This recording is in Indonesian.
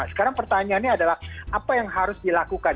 sekarang pertanyaannya adalah apa yang harus dilakukan